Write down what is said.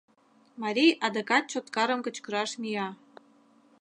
Марий адакат Чоткарым кычкыраш мия